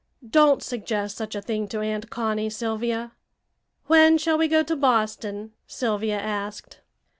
"Don't suggest such a thing to Aunt Connie, Sylvia." "When shall we go to Boston?" Sylvia asked.